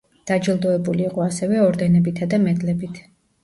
დაჯილდოებული იყო ასევე ორდენებითა და მედლებით.